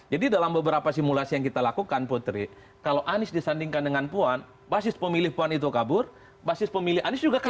dalam beberapa simulasi yang kita lakukan putri kalau anies disandingkan dengan puan basis pemilih puan itu kabur basis pemilih anies juga kalah